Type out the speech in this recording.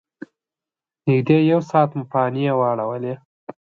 نږدې یو ساعت مو پانې واړولې.